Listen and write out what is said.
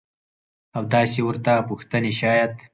او داسې ورته پوښتنې شايد.